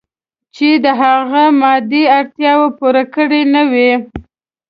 چې د هغه مادي اړتیاوې پوره کړې نه وي.